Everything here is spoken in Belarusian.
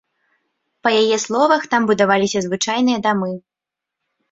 Па яе словах, там будаваліся звычайныя дамы.